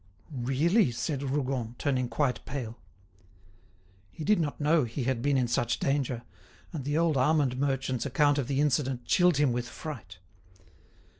"Really?" said Rougon, turning quite pale. He did not know he had been in such danger, and the old almond merchant's account of the incident chilled him with fright.